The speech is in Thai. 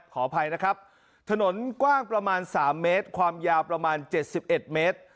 ขออภัยนะครับถนนกว้างประมาณสามเมตรความยาวประมาณเจ็ดสิบเอ็ดเมตร